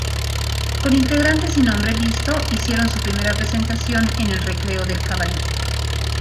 Con integrantes y nombre listo hicieron su primera presentación en El Recreo del Jabalí.